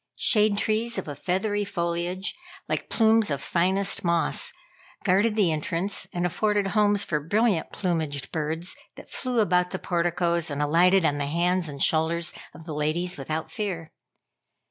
Shade trees of a feathery foliage, like plumes of finest moss, guarded the entrance and afforded homes for brilliant plumaged birds that flew about the porticos and alighted on the hands and shoulders of the ladies without fear.